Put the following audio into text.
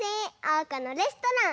おうかのレストラン。